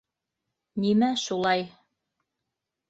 Нимә шулай...